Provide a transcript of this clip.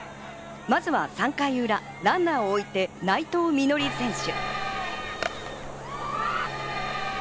まずは３回裏、ランナーを置いて内藤実穂選手。